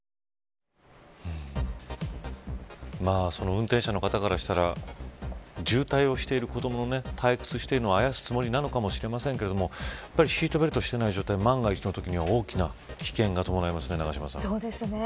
運転者の方からしたら渋滞をしている子ども、退屈しているのをあやすつもりなのかもしれませんがシートベルトしていない状態は万が一のときには大きな危険が伴いますね、永島さん。